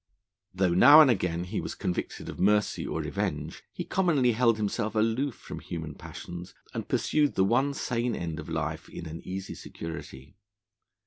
Though now and again he was convicted of mercy or revenge, he commonly held himself aloof from human passions, and pursued the one sane end of life in an easy security.